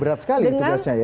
berat sekali itu biasanya ya